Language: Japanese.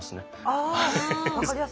あ分かりやすい。